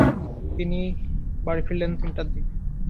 তিনি বাড়ি ফিরলেন তিনটার দিকে।